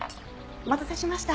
お待たせしました。